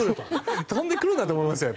飛んでくるなと思いますよ